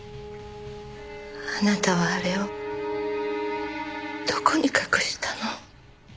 あなたはあれをどこに隠したの？